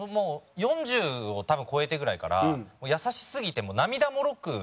４０を多分超えてぐらいから優しすぎて涙もろくなってて。